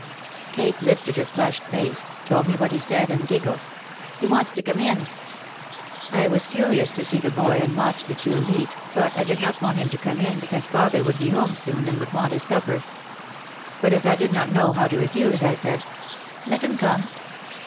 Kate lifted her flushed face, told me what he said, and giggled. "He wants to come in!" I was curious to see the boy and watch the two meet but I did not want him to come in because father would be home soon and would want his supper. But as I did not know how to refuse I said, "Let him come."